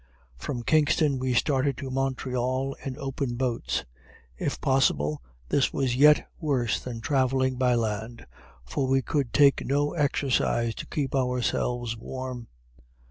From Kingston we started to Montreal in open boats; if possible this was yet worse than travelling by land, for we could take no exercise to keep ourselves warm.